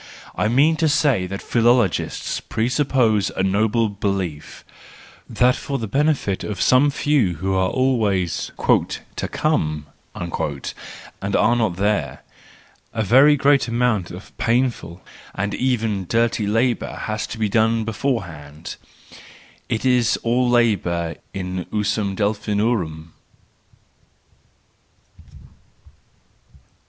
I mean to say that philology presupposes a noble belief,— that for the benefit of some few who are always " to come," and are not there, a very great amount of painful, and even dirty labour has to be done beforehand : it is all labour in usum Delphinorum